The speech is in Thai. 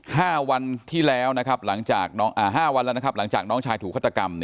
ห้าวันที่แล้วหลังจากน้องชายถูกศตกรรม